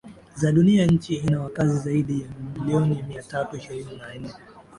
za Dunia Nchi ina wakazi zaidi ya milioni mia tatu ishirini na ina